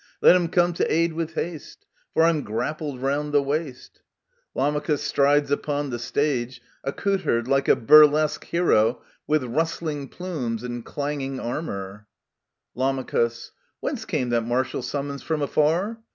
— Let him come to aid with haste, — For I'm grappled round the waist I [Lamachus strides upon the stage, accoutred like a burlesque hero with rustling plumes and e/aiiging armour. Lam. Whence came that martial summons from afar